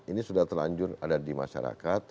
ini sudah terlanjur ada di masyarakat